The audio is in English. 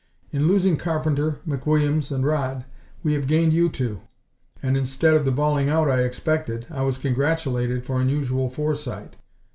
"In losing Carpenter, McWilliams and Rodd, we have gained you two. And instead of the bawling out I expected, I was congratulated for unusual foresight.